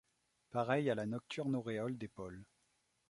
Pareille à la nocturne auréole des pôles ;